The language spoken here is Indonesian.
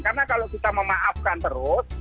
karena kalau kita memaafkan terus